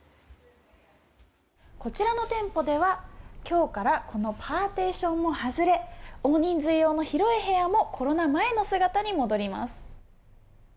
こちらの店舗では今日からこのパーティションも外れ大人数用の広い部屋もコロナ前の姿に戻ります。